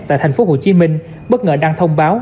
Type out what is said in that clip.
tại tp hcm bất ngờ đang thông báo